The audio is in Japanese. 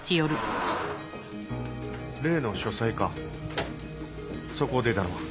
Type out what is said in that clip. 例の書斎かそこを出たのは？